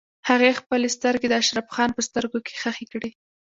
هغې خپلې سترګې د اشرف خان په سترګو کې ښخې کړې.